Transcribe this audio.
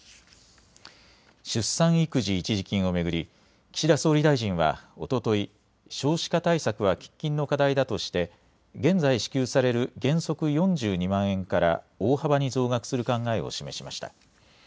出産育児一時金を巡り岸田総理大臣はおととい少子化対策は喫緊の課題だとして現在、支給される原則４２万円から大幅に増額する考えを示しました。